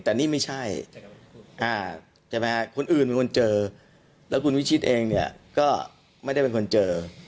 แต่นี่ไม่ใช่ใช่ไหมฮะคนอื่นเป็นคนเจอแล้วคุณวิชิตเองเนี่ยก็ไม่ได้เป็นคนเจอ